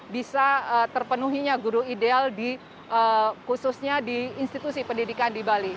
bisa terpenuhinya guru ideal di khususnya di institusi pendidikan di bali